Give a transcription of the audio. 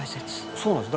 「そうなんです」